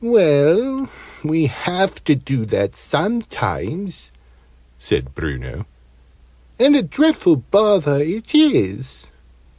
"Well, we have to do that sometimes," said Bruno, "and a dreadful bother it is."